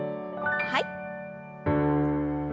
はい。